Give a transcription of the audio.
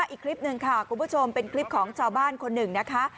อีกคลิปหนึ่งค่ะคุณผู้ชมเป็นคลิปของชาวบ้านคนหนึ่งนะคะ